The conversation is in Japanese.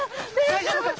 大丈夫か？